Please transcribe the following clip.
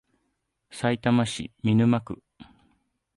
さいたま市見沼区